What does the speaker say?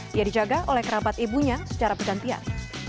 dia dijaga oleh kerabat ibunya secara bergantian